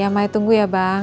ya maya tunggu ya bang